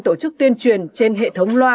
tổ chức tuyên truyền trên hệ thống loa